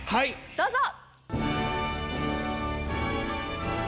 どうぞ！